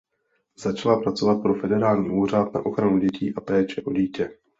Začala pracovat pro federální úřad na ochranu dětí a péče o dítě.